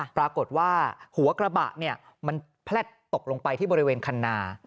ปรากฏว่าหัวกระบะเนี่ยมันแพลดตกลงไปที่บริเวณคันนา